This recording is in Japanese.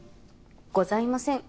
ございません。